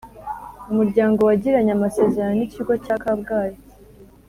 Umuryango wagiranye amasezerano n Ikigo cya Kabgayi